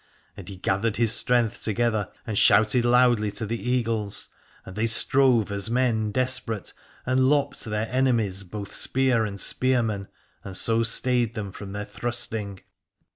And he gathered his strength together and shouted loudly to the Eagles; and they strove as men desperate, and lopped their enemies both spear and spearman, and so stayed them from their thrusting.